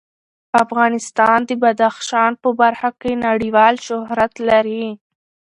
افغانستان د بدخشان په برخه کې نړیوال شهرت لري.